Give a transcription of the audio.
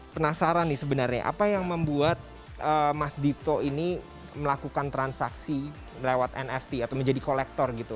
penasaran nih sebenarnya apa yang membuat mas dito ini melakukan transaksi lewat nft atau menjadi kolektor gitu